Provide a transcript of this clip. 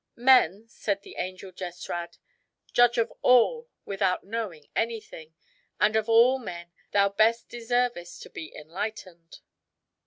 "Men," said the angel Jesrad, "judge of all without knowing anything; and, of all men, thou best deservest to be enlightened."